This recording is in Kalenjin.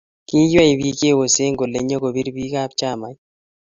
Kiywey bik che osen kole nyo kobir bik ab chamait.